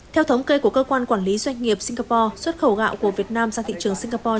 theo thống kê của cơ quan quản lý doanh nghiệp singapore xuất khẩu gạo của việt nam sang thị trường singapore